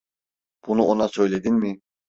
Bunu ona söyledin mi?